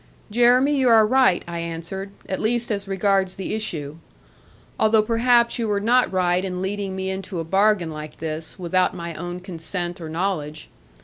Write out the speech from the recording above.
'Jeremy, you are right,' I answered; 'at least as regards the issue. Although perhaps you were not right in leading me into a bargain like this, without my own consent or knowledge.